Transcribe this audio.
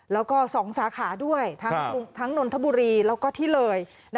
แล้วก็๒สาขาด้วยทั้งนนทบุรีแล้วก็ที่เลย